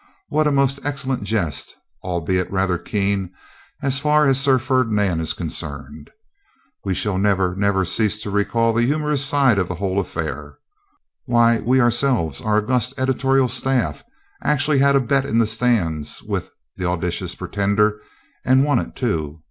What a most excellent jest, albeit rather keen, as far as Sir Ferdinand is concerned! We shall never, never cease to recall the humorous side of the whole affair. Why, we ourselves, our august editorial self, actually had a bet in the stand with the audacious pretender, and won it, too.